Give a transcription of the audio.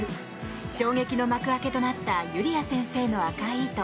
衝撃の幕開けとなった「ゆりあ先生の赤い糸」。